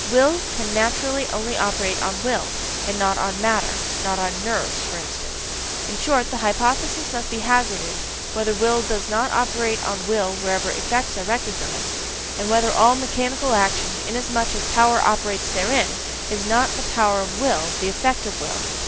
"Will" can naturally only operate on "will" and not on "matter" (not on "nerves," for instance): in short, the hypothesis must be hazarded, whether will does not operate on will wherever "effects" are recognized and whether all mechanical action, inasmuch as a power operates therein, is not just the power of will, the effect of will.